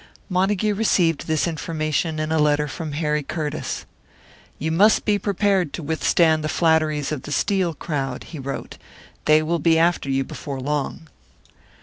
Montague received this information in a letter from Harry Curtiss. "You must be prepared to withstand the flatteries of the Steel crowd," he wrote. "They will be after you before long."